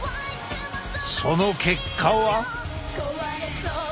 その結果は。